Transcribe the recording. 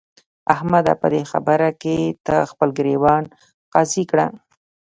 احمده! په دې خبره کې ته خپل ګرېوان قاضي کړه.